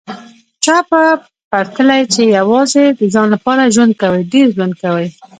چا په پرتله چي یوازي د ځان لپاره ژوند کوي، ډېر ژوند کوي